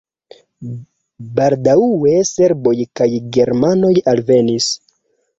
Baldaŭe serboj kaj germanoj alvenis.